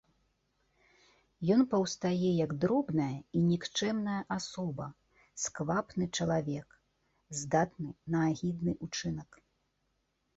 Ён паўстае як дробная і нікчэмная асоба, сквапны чалавек, здатны на агідны ўчынак.